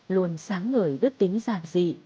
luôn sáng ngời đức tính giả dị